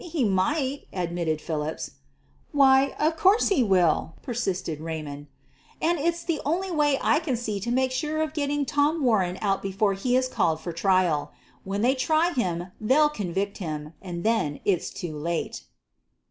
"He might," admitted Philips. "Why, of course he will," persisted Raymond. "And it's the only way I can see to make sure of getting Tom Warren out before he is called for trial. When they try him they'll convict him; and then it's too late."